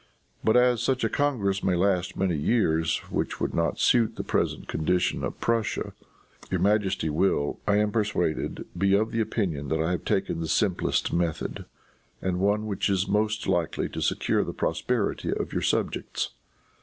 But as such a congress may last many years, which would not suit the present condition of Prussia, your majesty will, I am persuaded, be of the opinion that I have taken the simplest method, and one which is most likely to secure the prosperity of your subjects.